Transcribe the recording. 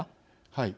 はい。